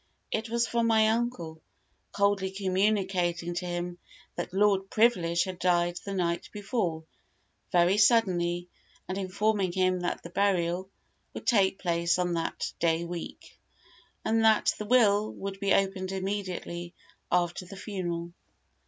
It was from my uncle, coldly communicating to him that Lord Privilege had died the night before very suddenly, and informing him that the burial would take place on that day week, and that the will would be opened immediately after the funeral.